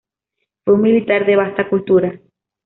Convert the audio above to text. Fue un militar de vasta cultura.